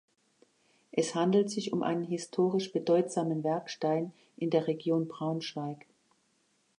Es handelt sich um einen historisch bedeutsamen Werkstein in der Region Braunschweig.